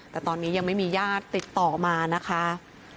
แต่ตอนนี้ยังไม่มีญาติติดต่อมานะคะ